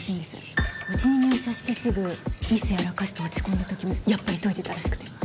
うちに入社してすぐミスやらかして落ち込んだ時もやっぱり研いでたらしくて。